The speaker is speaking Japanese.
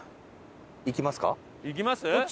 行きます？